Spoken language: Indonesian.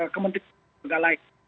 kementerian agama lain